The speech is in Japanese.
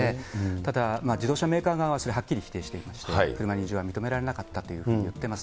ただ、自動車メーカー側はそれはっきり否定していまして、車に異常は認められなかったというふうに言っています。